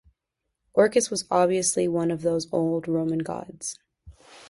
Orcus was obviously one of those old Roman gods.